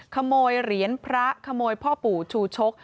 ขโมยเหรียญพระขโมยพ่อปู่ชูชก